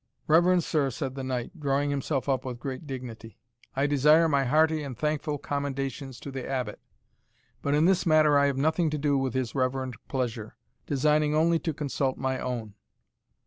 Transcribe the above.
"Reverend sir," said the knight, drawing himself up with great dignity, "I desire my hearty and thankful commendations to the Abbot; but in this matter I have nothing to do with his reverend pleasure, designing only to consult my own."